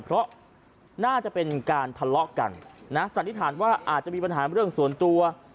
เพราะน่าจะเป็นการทะเลาะกันนะสันนิษฐานว่าอาจจะมีปัญหาเรื่องส่วนตัว